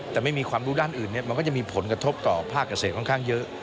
แต่ไม่มีความรู้ด้านอื่นมันก็จะมีผลกระทบต่อภาคเกษตรค่อนข้างเยอะ